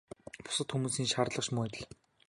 Бусад хүмүүсийн шаардлага ч мөн адил.